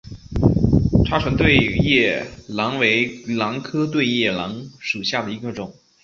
叉唇对叶兰为兰科对叶兰属下的一个种。